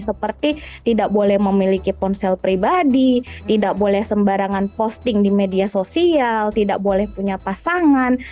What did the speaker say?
seperti tidak boleh memiliki ponsel pribadi tidak boleh sembarangan posting di media sosial tidak boleh punya pasangan